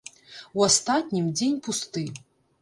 У астатнім, дзень пусты.